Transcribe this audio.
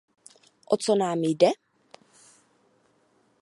O co nám jde?